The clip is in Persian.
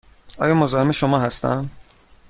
آیا مزاحم شما هستم؟